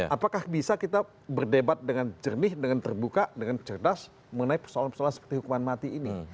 apakah bisa kita berdebat dengan jernih dengan terbuka dengan cerdas mengenai persoalan persoalan seperti hukuman mati ini